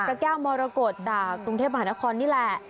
แก้วมรกฏจากกรุงเทพมหานครนี่แหละ